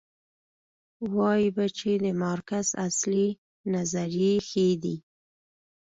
وایو به چې د مارکس اصلي نظریې ښې دي.